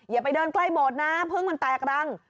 อย่าไปเดินใกล้โบสถ์นะพึ่งมันแตกรัง